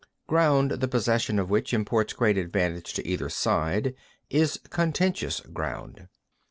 4. Ground the possession of which imports great advantage to either side, is contentious ground.